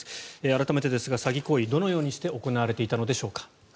改めてですが詐欺行為どのようにして行われていたのでしょうか。